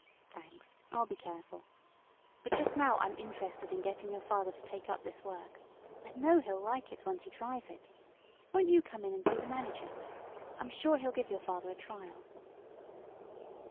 "Thanks, I'll be careful. But just now I'm interested in getting your father to take up this work. I know he'll like it, once he tries it. Won't you come and see the manager? I'm sure he'll give your father a trial."